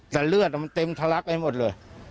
แต่เลือดมันเต็มทะลักไปหมดเลย